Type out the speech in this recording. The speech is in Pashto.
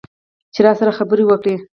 چې راسره خبرې وکړي.